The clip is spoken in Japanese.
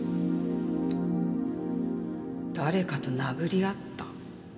誰かと殴り合った？